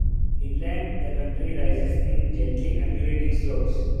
Inland the country rises in gently undulating slopes.